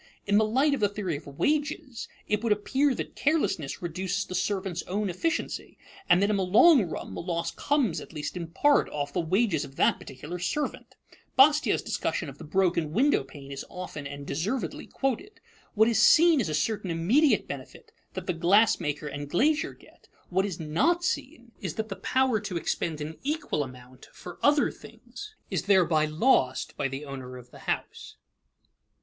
In the light of the theory of wages, it would appear that carelessness reduces the servant's own efficiency, and in the long run the loss comes, in part at least, off the wages of that particular servant. Bastiat's discussion of the broken window pane is often and deservedly quoted. What is seen is a certain immediate benefit that the glass maker and glazier get; what is not seen is that the power to expend an equal amount for other things is thereby lost by the owner of the house.